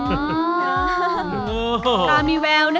อ่าตาลมีแววนะ